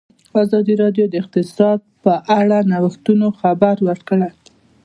ازادي راډیو د اقتصاد په اړه د نوښتونو خبر ورکړی.